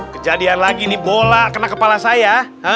kejadian lagi ini bola kena kepala saya